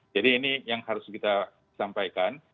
jadi ini yang harus kita sampaikan